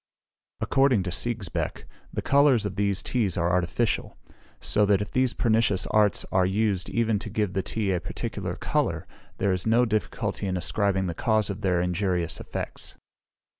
According to Sigesbeck, the colours of these teas are artificial; so that if these pernicious arts are used even to give the tea a particular colour, there is no difficulty in ascribing the cause of their injurious effects.